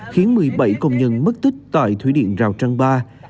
khiến một mươi bảy công nhân mất tích tại thủy điện rào trăng ba